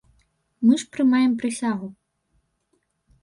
Мы ж прымаем прысягу.